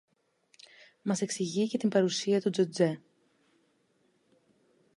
Μας εξηγεί και την παρουσία του Τζοτζέ